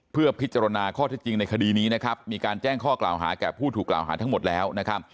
เพื่อพิจารณาข้อแรกที่จริงในคดีนี้มีการแจ้งข้อกล่าวหากับผู้ถูกกล่าวหาทั้งหมดแล้ว